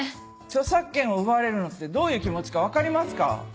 著作権を奪われるのってどういう気持ちか分かりますか？